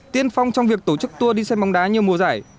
tiên phong trong việc tổ chức tour đi xe bóng đá nhiều mùa giải